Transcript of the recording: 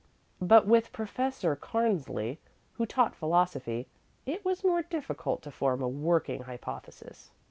But with Professor Cairnsley, who taught philosophy, it was more difficult to form a working hypothesis.